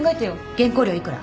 原稿料幾ら？